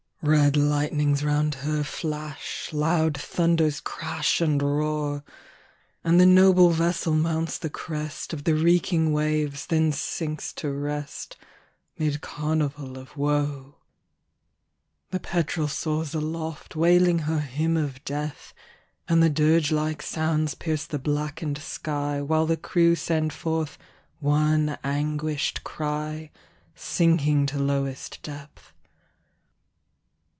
Red lightnings round her flash, Loud thunders crash and roar, And the noble vessel mounts the crest Of the reeking waves, then sinks to rest Mid carnival of woe. The Petrel soars aloft, Wailing her hymn of death, And the dirge like sounds pierce the blackened sky, While the crew send forth one anguished cry, Sinking to lowest depth.